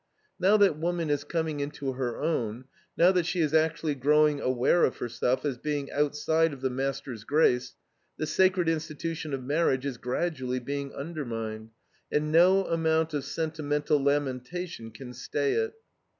Now that woman is coming into her own, now that she is actually growing aware of herself as being outside of the master's grace, the sacred institution of marriage is gradually being undermined, and no amount of sentimental lamentation can stay it.